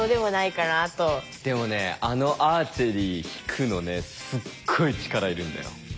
でもねあのアーチェリー引くのねすっごい力いるんだよ。